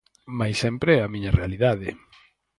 Mais sempre é a miña realidade.